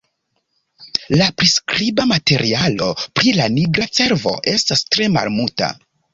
La priskriba materialo pri la nigra cervo estas tre malmulta.